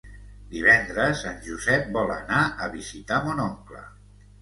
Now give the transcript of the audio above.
Divendres en Josep vol anar a visitar mon oncle.